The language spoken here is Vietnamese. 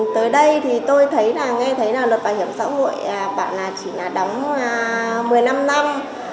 tới đây tôi nghe thấy luật bảo hiểm xã hội chỉ đóng một mươi năm năm